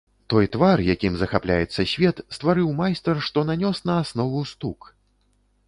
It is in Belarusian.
Той твар, якім захапляецца свет, стварыў майстар, што нанёс на аснову стук.